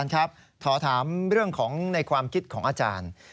ครับขอถามเรื่องของในความคิดของอาจารย์